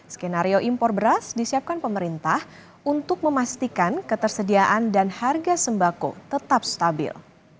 skenario impor beras disiapkan pemerintah untuk memastikan ketersediaan dan harga sembako tetap stabil